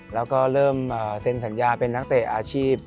แล้วก็เริ่มเซ็นสัญญาเป็นนักเตะอาชีพ